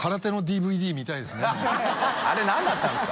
あれ何だったんですか？